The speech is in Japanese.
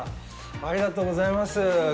ありがとうございます。